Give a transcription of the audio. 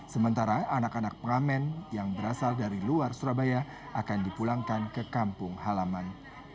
sementara anak anak pengamen yang berasal dari luar surabaya akan dipulangkan ke kampung halaman